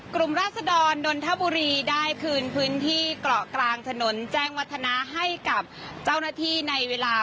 ราศดรนนทบุรีได้คืนพื้นที่เกาะกลางถนนแจ้งวัฒนาให้กับเจ้าหน้าที่ในเวลา